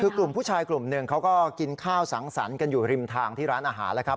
คือกลุ่มผู้ชายกลุ่มหนึ่งเขาก็กินข้าวสังสรรค์กันอยู่ริมทางที่ร้านอาหารแล้วครับ